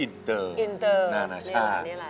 อินเตอร์นานาชา